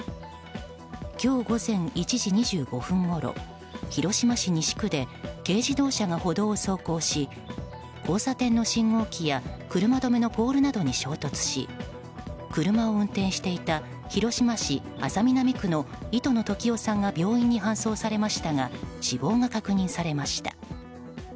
今日午前１時２５分ごろ広島市西区で軽自動車が歩道を走行し交差点の信号機や車止めのポールなどに衝突し車を運転していた広島市安佐南区の糸野時雄さんが病院に搬送されましたが死亡が確認されました。